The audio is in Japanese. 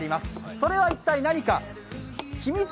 それは一体何か？